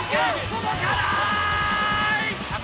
届かない！